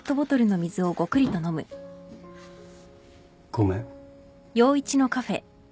ごめん。